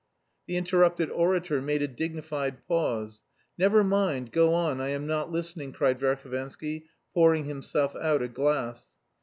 The interrupted orator made a dignified pause. "Never mind, go on, I am not listening," cried Verhovensky, pouring himself out a glass.